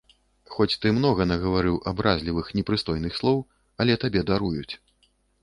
Хоць ты многа нагаварыў абразлівых, непрыстойных слоў, але табе даруюць.